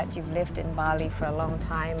meskipun anda seorang ekspert